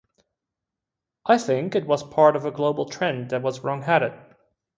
I think it was part of a global trend that was wrong-headed.